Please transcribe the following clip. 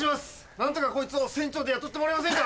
何とかこいつを船長で雇ってもらえませんか？